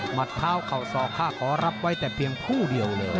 หมัดเท้าเขาซอค่าขอรับไว้แต่เพียงผู้เดียวเลย